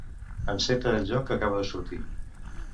Enceta el joc que acaba de sortir.